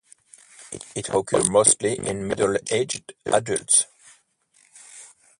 It occurs mostly in middle aged adults.